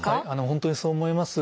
本当にそう思います。